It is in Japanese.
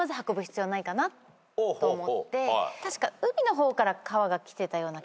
確か。